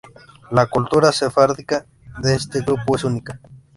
La cultura sefardita de este grupo es única.